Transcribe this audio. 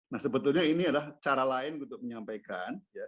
nah sebetulnya ini adalah cara lain untuk menyampaikan